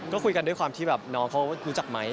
ก็คุยกันด้วยความที่แบบน้องเขารู้จักไหม